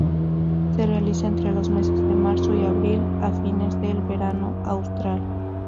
Se realiza entre los meses de marzo y abril a fines del verano austral.